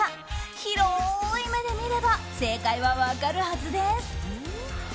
広い目で見れば正解は分かるはずです。